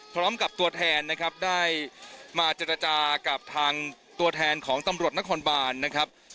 พร้อมกับตัวแทนนะครับได้มาเจรจากับทางตัวแทนของตำรวจนครบานนะครับ